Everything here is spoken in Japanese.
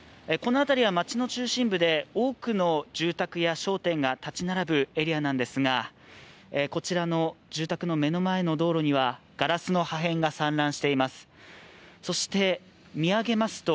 この辺りは町の中心部で多くの住宅や商店が立ち並ぶエリアなんですがこちらの住宅の目の前の道路にはカラスの破片が散乱しています。